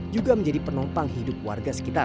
juga menjadi penopang hidup warga sekitar